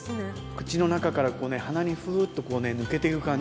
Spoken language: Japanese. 口の中から鼻にフっと抜けてく感じの。